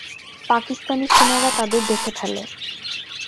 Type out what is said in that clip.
পাকিস্তানি সেনারা তাদের দেখে ফেলে।